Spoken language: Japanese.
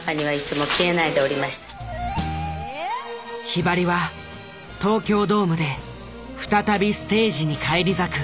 ひばりは東京ドームで再びステージに返り咲く。